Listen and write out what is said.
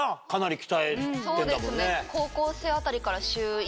そうですね。